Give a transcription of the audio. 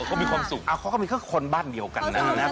ก็มีความสุขนะครับเขาก็มีเขาคือคนบ้านเดียวกันน่ะนะครับ